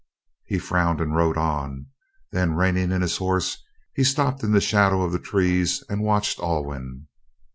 He frowned and rode on. Then reining in his horse, he stopped in the shadow of the trees and watched Alwyn.